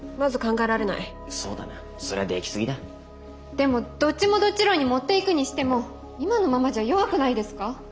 でもどっちもどっち論に持っていくにしても今のままじゃ弱くないですか？